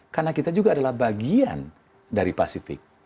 karena kita juga adalah bagian dari pasifik